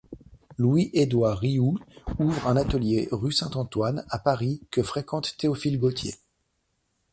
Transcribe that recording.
Louis-Édouard Rioult ouvre un atelier rue Saint-Antoine, à Paris, que fréquente Théophile Gautier.